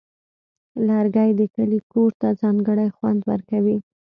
لرګی د کلي کور ته ځانګړی خوند ورکوي.